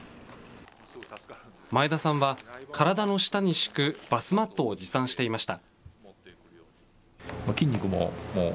前田さんは、体の下に敷くバスマットを持参していました。